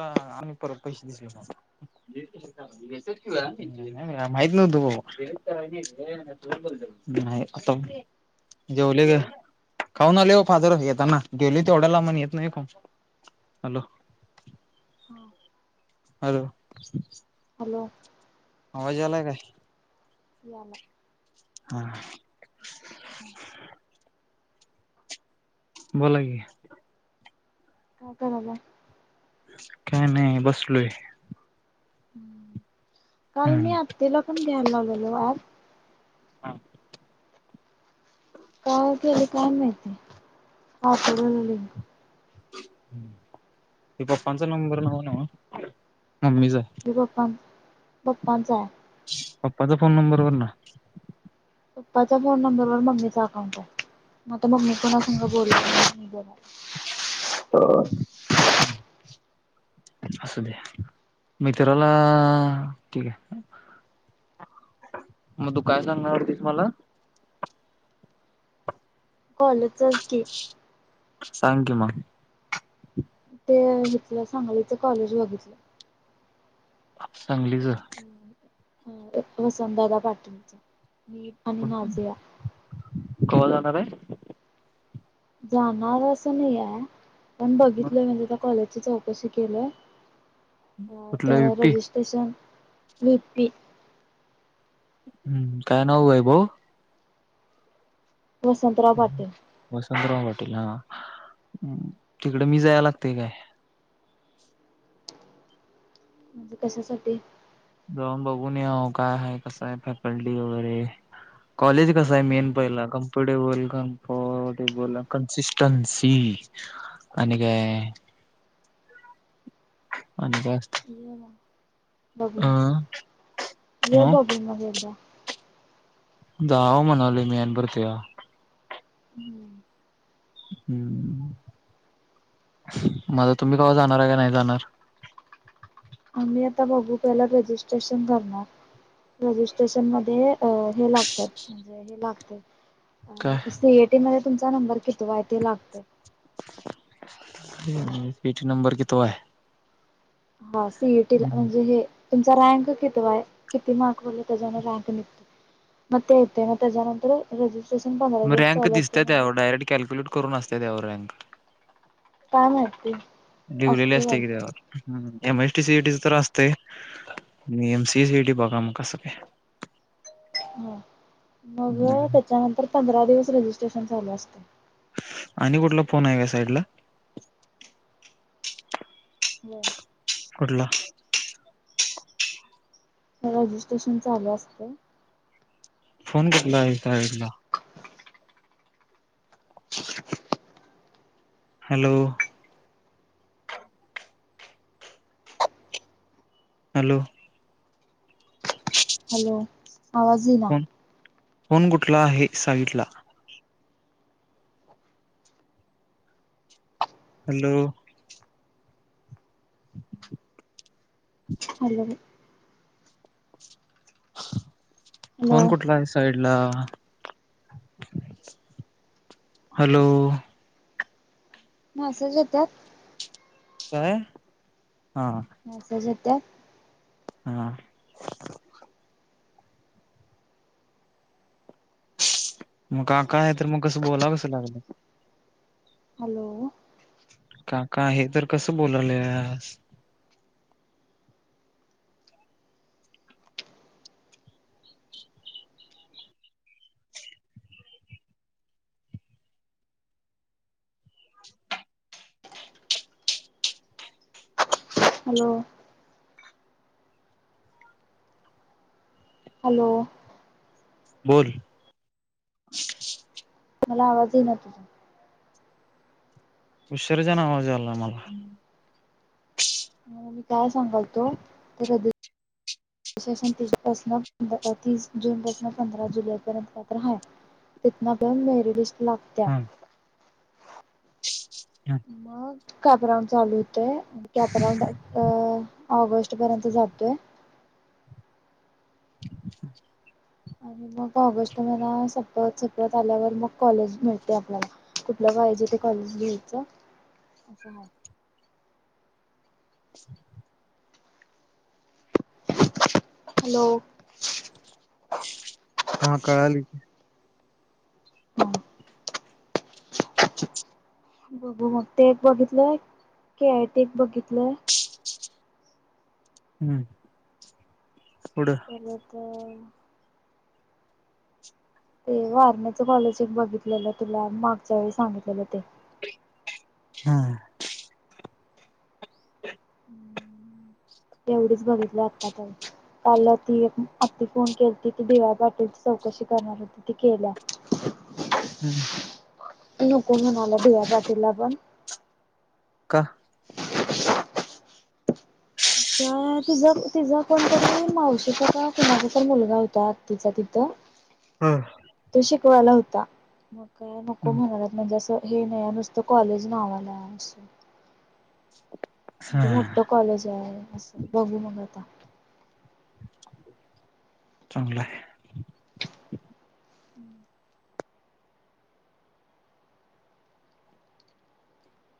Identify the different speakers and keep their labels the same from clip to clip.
Speaker 1: आम्ही परत पैसे दिसले. माहित नव्हतो भाऊ [unintelligible] नाही आता उठलो जेवले ग. खाऊन आले हो फादर येताना गेले तेवढ्या लाबून येत नाही खाऊन. हॅलो!
Speaker 2: [unintelligible]
Speaker 1: हॅलो.
Speaker 2: हॅलो!
Speaker 1: आवाज यायला काय?
Speaker 2: याय ला.
Speaker 1: हा.
Speaker 2: [inaudible]
Speaker 1: बोला की.
Speaker 2: का करायला.
Speaker 1: काय नाही बसलोय.
Speaker 2: काल मी
Speaker 1: हम्म.
Speaker 2: आत्तीला पण घ्यायला लावलेली ॲप.
Speaker 1: हां.
Speaker 2: काय केले काय माहित. [unintelligible]
Speaker 1: ते पप्पांचा नंबर नव्ह नव्ह. मम्मीचा
Speaker 2: पप्पां पप्पांचा आहे.
Speaker 1: पप्पाचा फोन नंबरवर ना.
Speaker 2: पप्पाच्या फोन नंबर वर मम्मीचा अकाउंट आहे मगता मम्मी कोना सोबत बोलाल्या बर.
Speaker 1: तर असू दे मित्राला ठीक आहे मग तू काय सांगणारवरतीस मला?
Speaker 2: कॉलेजच की.
Speaker 1: सांग की म
Speaker 2: ते इथलं सांगलीच कॉलेज बघितलं.
Speaker 1: सांगलीच
Speaker 2: अ वसंतदादा पाटीलच मी आणि नाझिया
Speaker 1: कवा जाणार आहे
Speaker 2: जाणार असं नाही आहे पण
Speaker 1: मग
Speaker 2: बघितलं म्हणजे त्या कॉलेज चौकशी केलं
Speaker 1: कुठलं
Speaker 2: त्या
Speaker 1: युपी
Speaker 2: रजिस्ट्रेशन निती.
Speaker 1: हम्म काय नाव वैभव?
Speaker 2: वसंतराव पाटील
Speaker 1: वसंतराव तिकडे मी जायला लागते काय
Speaker 2: म्हणजे कशासाठी
Speaker 1: जाऊन बघूून यावं काय आहे कसं आहे फॅकल्टी वगैरे? कॉलेज कसा आहे मेन पहिला कम्फर्टेबल कम्फर्टेबल, कन्सिस्टन्सी? आणि काय आणि जास्त
Speaker 2: ये मग बघू ये बघू मग एकदा.
Speaker 1: जावा म्हणालो मी आणि भरत्या.
Speaker 2: हम्म
Speaker 1: हम्म. मझा तुम्ही कव्हा जाणार का नाही जाणार
Speaker 2: ता बघू पहिला रजिस्ट्रेशन करणार. रजिस्ट्रेशन मध्ये हे लागत म्हणजे हे
Speaker 1: काय
Speaker 2: लागते सीएटी मध्ये तुमचा नंबर कितवा आहे ते लागते
Speaker 1: सीट नंबर कितवा आहे?
Speaker 2: हा सी. ई. टी. ला म्हणजे हे तुमचा रँक कितीवा आहे किती मार्क पडले त्याच्यान रँक निघत. म ते येत मग त्याच्यानंतर रज
Speaker 1: मग रँक दिसतय त्यावर डायरेक्ट कॅल्क्युलेट करून असते त्यावर रँक.
Speaker 2: काय माहिती
Speaker 1: लीवलेले असते की त्यावर एम. चटी. सी. टी.
Speaker 2: हो.
Speaker 1: तर असत ते एम सी सीडी बघा म क स
Speaker 2: ह मग त्याच्यानंतर पंधरा दिवस रजिस्ट्रेशन चालू असत.
Speaker 1: आणि कुठला फोन आहे का साईडला?
Speaker 2: बर.
Speaker 1: कुठला?
Speaker 2: रजिस्ट्रेशन चालू असते
Speaker 1: फोन कुटला आहे साईडला?
Speaker 2: [inaudible]
Speaker 1: Hello hello.
Speaker 2: हॅलो. आवाज ये ना.
Speaker 1: फोन फोन कुटला आहे साइडला? Hello. [inaudible]
Speaker 2: I love you. Hello
Speaker 1: phone कुठला आहे, साईड? ला हॅलो.
Speaker 2: मेसेज येत्यात?
Speaker 1: काय? हा.
Speaker 2: मेसेज येत्यात?
Speaker 1: हा. मग काका हाय तर मग कसं बोलाव कसं लागलं?
Speaker 2: हॅलो.
Speaker 1: काका आहे तर कसं बोलायल्यास?
Speaker 2: हॅलो. हॅलो.
Speaker 1: बोल.
Speaker 2: मला आवाज इना तुझा.
Speaker 1: उशीरच्यानं आवाज यायलाय मला.
Speaker 2: मग मी काय सांगालतो, तू कधी प्रशासन तीस पासनं तीस जूनपासनं पंधरा जुलैपर्यंत पात्र हाय. तिथंनंपण व्हेरी लिस्ट लागत्या.
Speaker 1: हा हा
Speaker 2: मग कॅपराऊंड चालू हुतंय, कॅपराऊंड अ ऑगस्ट पर्यंत जातोय.
Speaker 1: आई लदम
Speaker 2: आणि मग ऑगस्ट महिना सपत सपत आल्यावर, मग कॉलेज मिळतंय आपल्याला. कुठल्या पाहिजे ते कॉलेज घेऊचं [unintelligible] हॅलो.
Speaker 1: हा कळालं की.
Speaker 2: हा. बघू मग ते एक बघितलंय, केआयत एक बघितलंय.
Speaker 1: हम्म.
Speaker 2: परत ते वारणेचं कॉलेज एक बघितलेलं, तुला मागच्या वेळी सांगितलेलं ते.
Speaker 1: हा. हज्ञृऋऋलवव
Speaker 2: एवढच बघितलंय आत्तापर्यंत. कालं ती एक आत्ती फोन केलती, ती डी वाय पाटीलची चौकशी कशी करणार होती, ती केल्या.
Speaker 1: हम्म.
Speaker 2: ती नको म्हणाल्या, डी वाय पाटीललापण.
Speaker 1: का?
Speaker 2: मथदतभबण काय तिझं तिझं कोणतरी मावशीचा का कुणाचा तर मुलगा होता, आत्तीचा ति थ.
Speaker 1: हा.
Speaker 2: तो आला होता, मग काय नको म्हणालात. म्हणजे असं हे नाय नुसतं कॉलेज नावाला हाय असं. म्हणजे मोठं कॉलेज आहे, असं बघू मग आता.
Speaker 1: चांगलं हाय.
Speaker 2: हम्म.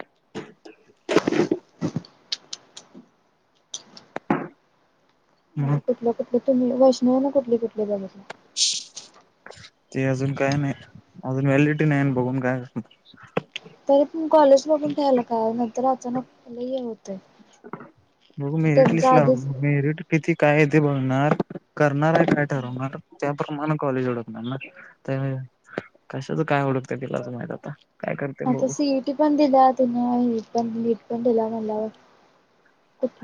Speaker 1: लमभणतथथसभ [inaudible] मग
Speaker 2: आणि कुठलं कुठलं तुम्ही वैष्णवी ना कुठले कुठले बघीतल.
Speaker 1: ते अजून काय नाहीत अजून व्हॅलिटी नाही बघून काय होतं.
Speaker 2: तरी पण कॉलेज बगून ठ्यालं काय नंतर अचानक लई हे होत.
Speaker 1: मग मेरिट लिस्ट ला
Speaker 2: आधीच
Speaker 1: मेरिट किती काये ते बघणार. करणार काय ते ठरवणार. प्रमाण कॉलेज ओळखणार ना कशाच काय ओळखते तिलाच माहित आता. काय करते
Speaker 2: आता
Speaker 1: बघू
Speaker 2: सीट पण दिल्या तिन ही पण नीट पण दिला म्हणल्यावर.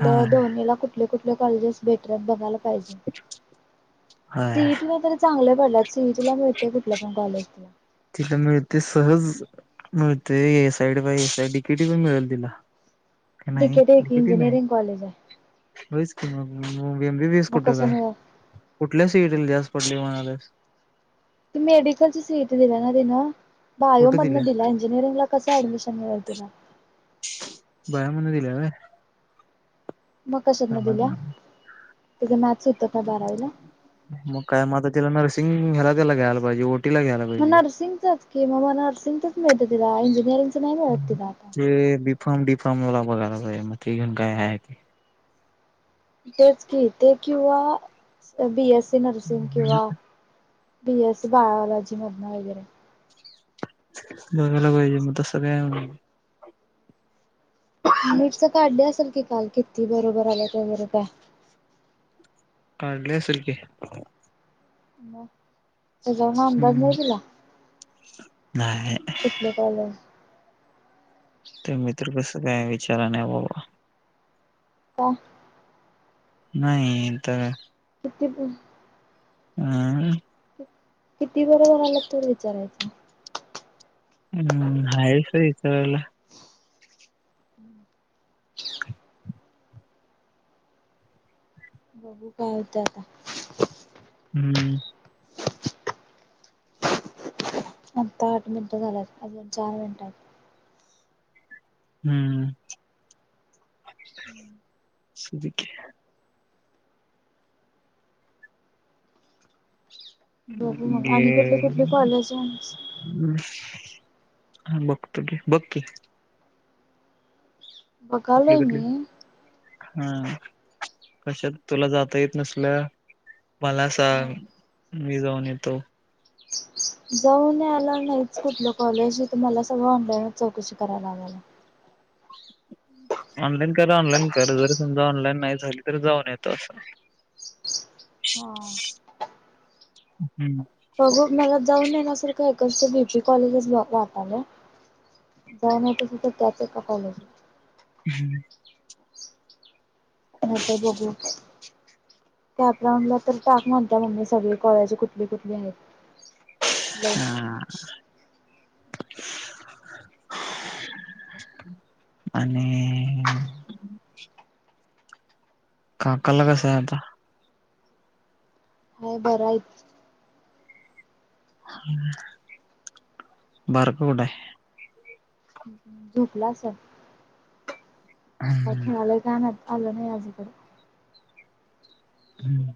Speaker 1: हा
Speaker 2: दोनीला कुठल कुठल कॉलेजेस भेटत बघ. मिळायला पाहिजे
Speaker 1: हय
Speaker 2: सीए टी ला तरी चांगले पडल्यात. सीएटी ला मिळतेय कुठल्या पण कॉलेजला.
Speaker 1: तिला मिळते सहज मिळते ए साईड बा A side D K T पण मिळेल तिला. नाही
Speaker 2: डिकेटी
Speaker 1: डी
Speaker 2: एक
Speaker 1: के टी नाही.
Speaker 2: इंजिनिअरिंग कॉलेज आहे
Speaker 1: होयच की मग एम बी बीस
Speaker 2: मग
Speaker 1: कुठ
Speaker 2: कसं
Speaker 1: ग
Speaker 2: मिळल
Speaker 1: कुठल्या सीए टी ला जास्त. पडली म्हणालाईस.
Speaker 2: ते मेडिकल च सी ए टी दिला ना तिन. बायो
Speaker 1: कुठे दिल्या
Speaker 2: मधन दिल इंजिनिअरिंगला कस ऍडमिशन मिळेल तिला.
Speaker 1: बायो मधन दिल्या होय.
Speaker 2: मग कशात न दिल्या ते त
Speaker 1: मग काय मता तिला नरसिंग ह्याला त्याला घ्यायला पाहिजे. ओटीला घ्यायला
Speaker 2: मग
Speaker 1: पाहिजे.
Speaker 2: नर्सिंगचच कि मग म नर्सिंगचच मिळत तिला इंजिनिअरिंगच नाही मिळत तिला आता.
Speaker 1: फॉम डीफॉमला बघायला पाहिजे मग ते घेऊन काय हाहे ते.
Speaker 2: तेच की ते किंवा बीएससी नर्सिंग किंवा, बीएससी बायलॉजी मधनं वगैरे.
Speaker 1: बघायला पाहीजे म तस काय आ
Speaker 2: मीटच काड्डल असेल कि काल किती बरोबर आल्या त्या बर काय.
Speaker 1: काढले असेल की.
Speaker 2: म. त्याचाउन अंदाज
Speaker 1: हम्म.
Speaker 2: नाही तुला
Speaker 1: नाही
Speaker 2: कुठलं कायलस.
Speaker 1: तर मित्र कस काय विचारा नाही बाबा.
Speaker 2: का?
Speaker 1: नाही तर.
Speaker 2: किती.
Speaker 1: अ.
Speaker 2: किती बरोबर आल्यात तेवढं विचारायचं.
Speaker 1: हम्म आहेत ते विचारला.
Speaker 2: बघू काय होत आता.
Speaker 1: हम्म.
Speaker 2: आता आठ मिनिटं झाल्यात अजून चार मिनिटात.
Speaker 1: हम्म.
Speaker 2: बघू मग
Speaker 1: घे.
Speaker 2: आणि कुठली कुठली कॉलेज
Speaker 1: हा बघतो की बघ की. कुठले
Speaker 2: बघालोय
Speaker 1: कुठले
Speaker 2: मी.
Speaker 1: हा कशात तुला जाता येत नसल. मला सांग
Speaker 2: हा
Speaker 1: मी जाऊन येतो.
Speaker 2: जाऊन नाहीच आला कुठलं कॉलेज मला सगळं ऑनलाईन चौकशी करायला लावलाय.
Speaker 1: ऑनलाईन कर ऑनलाईन कर जरी समजा ऑनलाईन नाही झाली तरी जाऊन येत असं.
Speaker 2: हा.
Speaker 1: हम्म.
Speaker 2: बघू मला जाऊन येण्या सारखंय का इथे बीपी कॉलेजला जाते आता मी. जाऊन येतो तिथं त्याच एका कॉलेजला.
Speaker 1: [inaudible]
Speaker 2: नंतर बघू. टॅप राऊंडला तर टाक म्हणतेय मम्मी, सगळे कॉलेज कुठली कुठली आहेत ती.
Speaker 1: हा. आणि काका ला कसं आहे आता?
Speaker 2: हु भरायच.
Speaker 1: बारका कुट हाय?
Speaker 2: झोपला असल. काय
Speaker 1: हम्म.
Speaker 2: खेळाला जाणार? आलं नाही अजून तरी.
Speaker 1: हम्.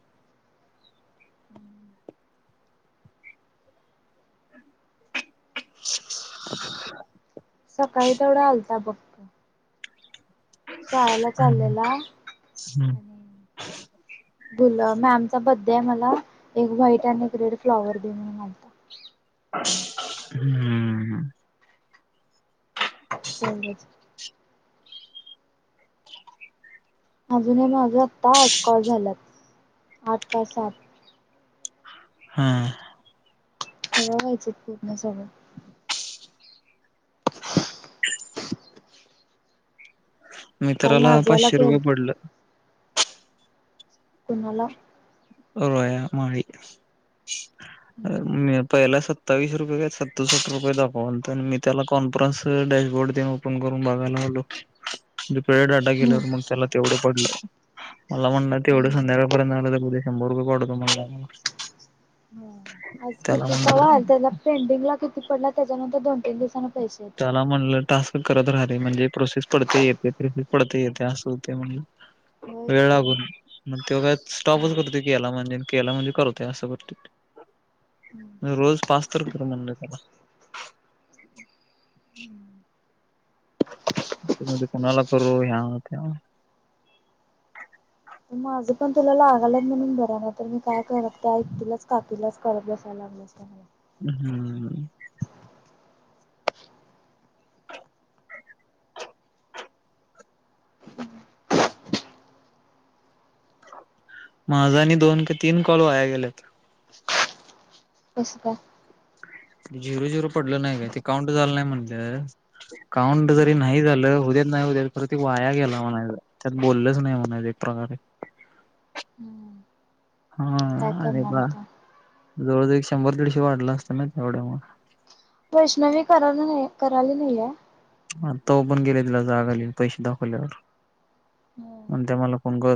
Speaker 2: सकाळी तेवढा आलता बघ. शाळेला
Speaker 1: हम्म,
Speaker 2: चाललेला- बुलं मॅमचा बद उद्या मला एक व्हाईट आणि एक रेड फ्लॉवर दे म्हणून आलता.
Speaker 1: हम्म.
Speaker 2: पेगंज. अजूनही माझं आता आट कॉल झालात. आट का सात.
Speaker 1: हम.
Speaker 2: कवा व्हायच पूर्ण सगळं? काल
Speaker 1: मित्राला
Speaker 2: नाझियाला
Speaker 1: पाचशे रुपये
Speaker 2: केल
Speaker 1: पडलं.
Speaker 2: कुणाला?
Speaker 1: रोया माळी
Speaker 2: हम्म
Speaker 1: मी आता एल आय सा त सत्तावीस रुपये का सदुसाट रुपये दाखवलं मी त्याला कॉन्फरन्सला डॅशबोर्ड देऊन ओपन करून बघायला आलो [inaudible] वेळेत डाटा
Speaker 2: हम्म
Speaker 1: गेल्यावर, मग त्याला तेवढं पडल. मला म्हनलं तेवढं
Speaker 2: हम्म
Speaker 1: संध्याकाळपर्यंत नाही झाल तर उद्या शंभर रुपये पाठवतो म्हनला.
Speaker 2: हो आज किती पवाल? त्याला पेंडिंग ला किती पडला? त्याच्यानंतर दोन तीन दिवसान
Speaker 1: त्याला म्हणलं टास्क करत राहणे, म्हणजे प्रोसेस पडते, येते, प्रिपी पडते येते, असं होते म्हणे.
Speaker 2: होयच
Speaker 1: वेळ
Speaker 2: की मग.
Speaker 1: लागून मग तो काय स्टॉपच
Speaker 2: हम्म.
Speaker 1: रद्द केला म्हणे. केला म्हणजे करतय. असं वाटते. मी रोज पाच तर कर, म्हनलं त्याला.
Speaker 2: हम्मम
Speaker 1: म कुणाला करू? ह्याव त्याव.
Speaker 2: माझं पण तुला लागालय म्हणून बराय, नाहीतर मी काय करत का तुलाच काकी लाच करत बसायला [inaudible]
Speaker 1: हम्मम. माझ आनी दोन का तीन कॉल वाया गेलेत.
Speaker 2: कस का?
Speaker 1: झिरो झिरो पडलं नाही काय, ते काउंट झालं नाही म्हनल. काउंट जरी
Speaker 2: हम्म.
Speaker 1: नाही झालं उद्या नाही उद्या परती वाया गेला म्हणायचं त्यात बोललंच नाही म्हनायचं एक प्रकारे.
Speaker 2: हम्म.
Speaker 1: हा.
Speaker 2: काय
Speaker 1: अरे
Speaker 2: करणार
Speaker 1: बा.
Speaker 2: आता
Speaker 1: जवळजवळ एक शंभर दीडशे वाढलं असतं ना, तेवढ्या म
Speaker 2: वैष्णवी करायला नाही, कराली नाहीये.
Speaker 1: आता ओपण केलीय, तिला जाग आली पैसे दाखवल्यावर,
Speaker 2: हम्म.
Speaker 1: म्हणतीय मला फोन कर.